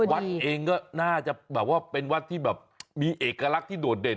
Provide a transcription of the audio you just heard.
วัดเองก็น่าจะแบบว่ามีเอกลักษณ์ที่โดดเด่น